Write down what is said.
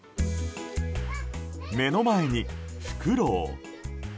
目の前にフクロウ。